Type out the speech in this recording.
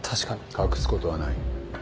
隠すことはない。